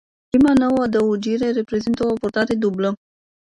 Prima nouă adăugire reprezintă o abordare dublă.